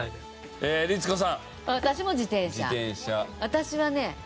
私はね